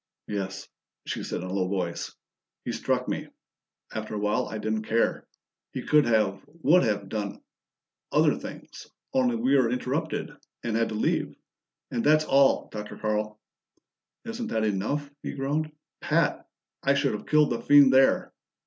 "Yes," she said in a low voice. "He struck me. After a while I didn't care. He could have would have done other things, only we were interrupted, and had to leave. And that's all, Dr. Carl." "Isn't that enough?" he groaned. "Pat, I should have killed the fiend there!"